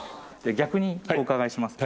逆にお伺いします。